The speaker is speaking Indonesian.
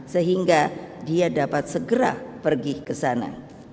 sehingga dia dapat segera pergi ke sana